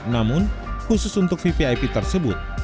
namun khusus untuk vvip tersebut